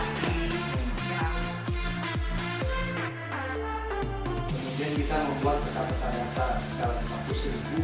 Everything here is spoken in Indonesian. setelah lima puluh ribu